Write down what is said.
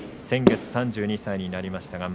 先月３２歳になりました。